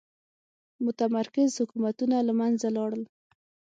متمرکز حکومتونه له منځه لاړل.